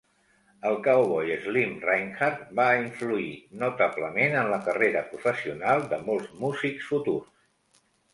El cowboy Slim Rinehart va influir notablement en la carrera professional de molts músics futurs.